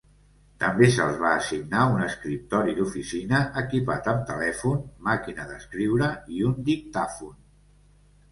També se'ls va assignar un escriptori d'oficina equipat amb telèfon, màquina d'escriure i un dictàfon.